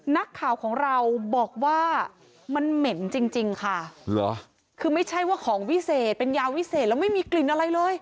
นักข่าวของเราบอกว่ามันเหม็นจริงจริงค่ะคือไม่ใช่ว่าของวิเศษเป็นยาวิเศษแล้วไม่มีกลิ่นอะไรเลย